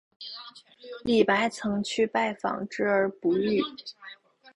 李白曾去拜访之而不遇。